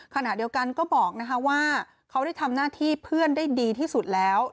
ขณะเดียวกันก็บอกว่าเขาได้ทำหน้าที่เพื่อนได้ดีที่สุดแล้ว